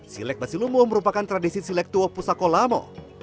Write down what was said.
silek basilumuh merupakan tradisi silek tua pusako lamo